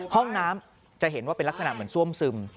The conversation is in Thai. ห้องน้ำจะเห็นว่าเป็นลักษณะเหมือนซ่วมซึม